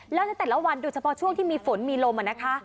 แล้วในแต่ละวันโดยเฉพาะช่วงที่มีฝนมีลมนะคะ